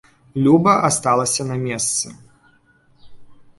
Люба асталася на месцы.